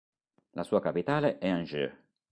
La sua capitale è Angers.